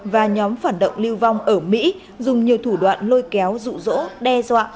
và nhóm phản động lưu vong ở mỹ dùng nhiều thủ đoạn lôi kéo rụ rỗ đe dọa